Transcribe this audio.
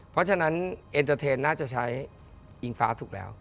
เพราะฉะนั้นเอ็นเตอร์เทนน่าจะใช้อิงฟ้าถูกแล้ว